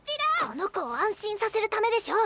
この子を安心させるためでしょ！